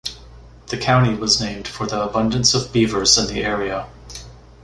The county was named for the abundance of beavers in the area.